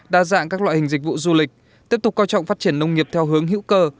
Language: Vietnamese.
đa dạng các loại hình dịch vụ du lịch tiếp tục coi trọng phát triển nông nghiệp theo hướng hữu cơ